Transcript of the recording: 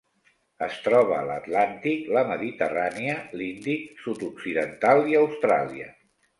Es troba a l'Atlàntic, la Mediterrània, l'Índic sud-occidental i Austràlia.